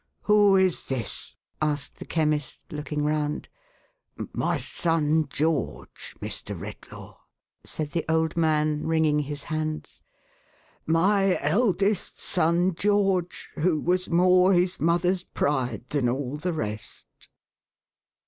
" Who is this ?" asked the Chemist, looking round. " My son George, Mr. Redlaw," said the old man, wringing THE FAVOURITE SON. 4sr, his hands. "My eldest son, George, who was more his mother's pride than all the rest